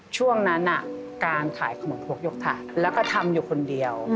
ช่วงนั้นการขายขนมครกยกถาดแล้วก็ทำอยู่คนเดียว